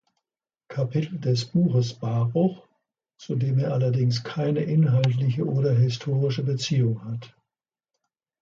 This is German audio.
Kapitel des Buches Baruch, zu dem er allerdings keine inhaltliche oder historische Beziehung hat.